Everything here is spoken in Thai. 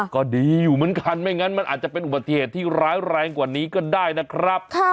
ก็ดีอยู่เหมือนกันไม่งั้นมันอาจจะเป็นอุบัติเหตุที่ร้ายแรงกว่านี้ก็ได้นะครับ